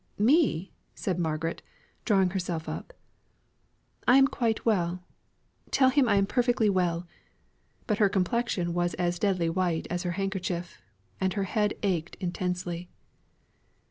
"Me!" said Margaret, drawing herself up. "I am quite well. Tell him I am perfectly well." But her complexion was as deadly white as her handkerchief; and her head ached intensely.